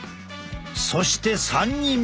そして３人目。